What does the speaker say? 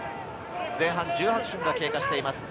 前半１８分が経過しています。